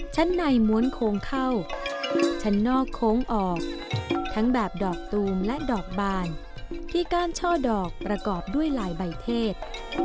ชั้นในม้วนโค้งเข้าชั้นนอกโค้งออกทั้งแบบดอกตูมและดอกบานที่ก้านช่อดอกประกอบด้วยลายใบเทศ